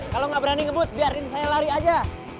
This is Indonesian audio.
kalo gak berani ngebut biarin saya lari aja